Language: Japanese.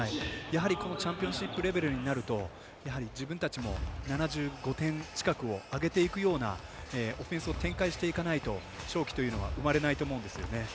やはりチャンピオンシップのレベルになるとやはり自分たちも７５点近くを挙げていくようなオフェンスを展開していかないと勝機というのは生まれないと思うんですよね。